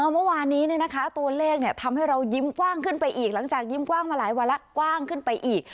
เมื่อวานนี้ตัวเลขทำให้เรายิ้มกว้างขึ้นไปอีกหลังจากยิ้มกว้างมาหลายวันแล้วกว้างขึ้นไปอีก